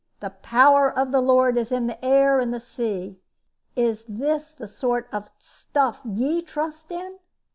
The power of the Lord is in the air and sea. Is this the sort of stuff ye trust in?"